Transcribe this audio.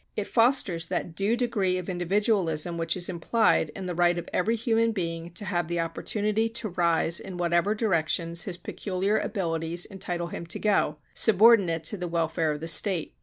It fosters that due degree of individualism which is implied in the right of every human being to have opportunity to rise in whatever directions his peculiar abilities entitle him to go, subordinate to the welfare of the state.